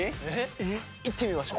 いってみましょう。